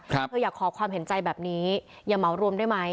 เธออยากขอความเห็นใจแบบนี้อย่าเหมารวมได้ไหม